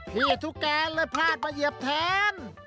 ทุกแกนเลยพลาดมาเหยียบแทน